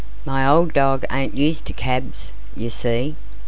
"My old dog ain't used to cabs, you see."